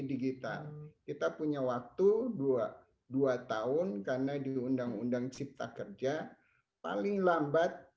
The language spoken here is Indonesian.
digital kita punya waktu dua dua tahun karena di undang undang cipta kerja paling lambat